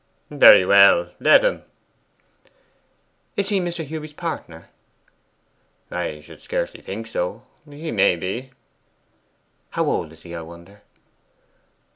'Very well; let him.' 'Is he Mr. Hewby's partner?' 'I should scarcely think so: he may be.' 'How old is he, I wonder?